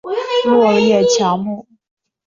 落叶乔木。